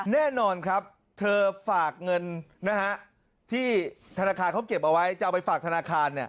แน่นอนครับเธอฝากเงินที่ธนาคารเขาเก็บเอาไว้จะเอาไปฝากธนาคาร